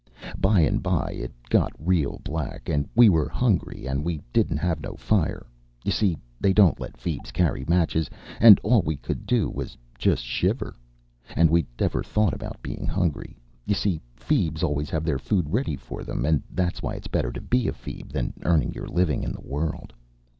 By and by it got real black, and we were hungry, and we didn't have no fire. You see, they don't let feebs carry matches, and all we could do was just shiver. And we'd never thought about being hungry. You see, feebs always have their food ready for them, and that's why it's better to be a feeb than earning your living in the world.